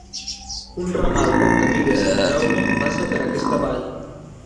Un ramal del Camí de Sant Jaume passa per aquesta Vall.